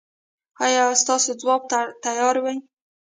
ایا ستاسو ځواب به تیار وي؟